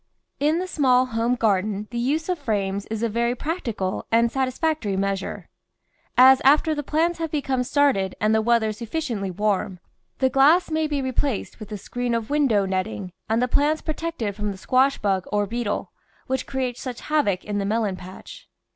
In the small home garden the use of frames is a very practical and satisfactory measure, as THE VEGETABLE GARDEN after the plants have become started and the weather sufficiently warm, the glass may be re placed with a screen of window netting and the plants protected from the squash bug or beetle, which creates such havoc in the melon patch.